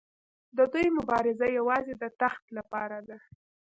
د دوی مبارزه یوازې د تخت لپاره ده.